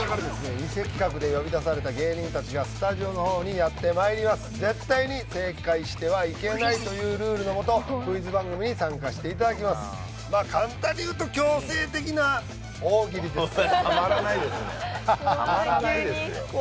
ニセ企画で呼び出された芸人たちがスタジオの方にやってまいります絶対に正解してはいけないというルールのもとクイズ番組に参加していただきますたまらないですよ